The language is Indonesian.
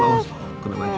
awas kena baju